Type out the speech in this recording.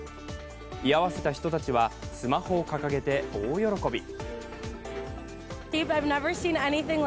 居合わせた人たちはスマホを掲げて大喜び。